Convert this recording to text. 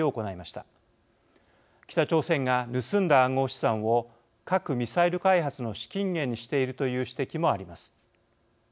北朝鮮が盗んだ暗号資産を核・ミサイル開発の資金源にしているという指摘もあります。